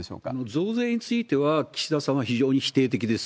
増税については、岸田さんは非常に否定的です。